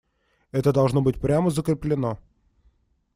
Это должно быть прямо закреплено.